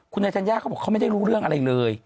คุณนายธัญญาเขาบอกเขาไม่ได้รู้เรื่องอะไรเลย